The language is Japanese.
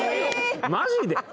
マジで？